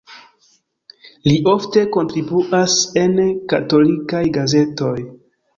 Li ofte kontribuas en katolikaj gazetoj.